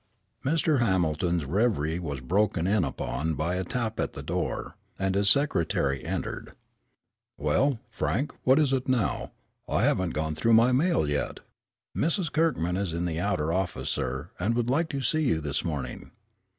Mr. Hamilton's reverie was broken in upon by a tap at the door, and his secretary entered. "Well, Frank, what is it now? I haven't gone through my mail yet." "Miss Kirkman is in the outer office, sir, and would like to see you this morning."